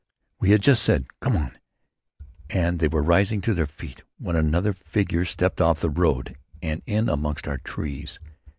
We had just said: "Come on," and they were rising to their feet, when another figure stepped off the road and in amongst our trees.